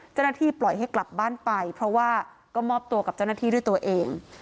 เจ้าหน้าที่ปล่อยให้กลับบ้านไปเพราะว่าก็มอบตัวกับเจ้าหน้าที่ด้วยตัวเอง